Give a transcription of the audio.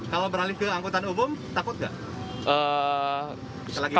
kalau beralih ke angkutan umum takut nggak